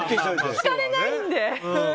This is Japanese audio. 聞かれないんで。